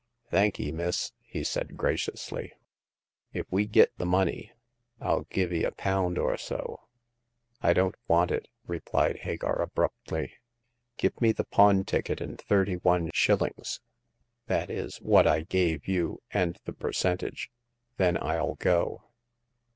Thankee, miss," he said, graciously. "If we git the money. 111 give 'ee a pound or so.'* I don't want it," replied Hagar, abruptly. "Give me the pawn ticket and thirty one shil lings—that is, what I gave you, and the percent age. Then FU go."